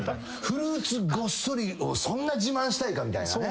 フルーツごっそりをそんな自慢したいかみたいなね。